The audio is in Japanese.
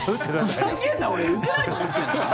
ふざけんな俺打てないと思ってんの？